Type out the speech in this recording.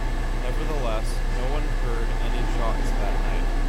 Nevertheless, no one heard any shots that night.